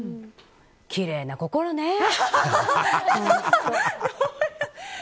きれいな心ね、本当。